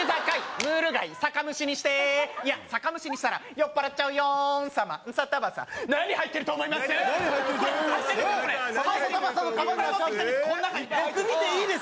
ムール貝酒蒸しにしていや酒蒸しにしたら酔っ払っちゃうヨーン様ンサタバサ何入ってると思います？